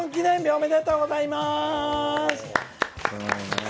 おめでとうございます！